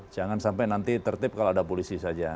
jangan sampai nanti tertib kalau ada polisi saja